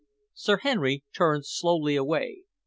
Sir Henry turned slowly away.